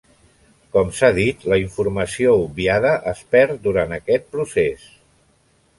Com s'ha dit, la informació obviada es perd durant aquest procés.